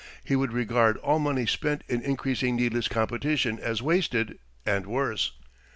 He would regard all money spent in increasing needless competition as wasted, and worse.